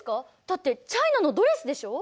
だってチャイナのドレスでしょ？